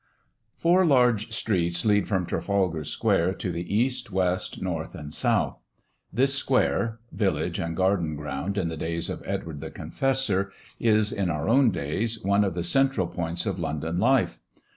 Four large streets lead from Trafalgar Square to the East, West, North, and South. This square (village and garden ground in the days of Edward the Confessor) is, in our own days, one of the central points of London life.